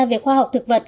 về khoa học thực vật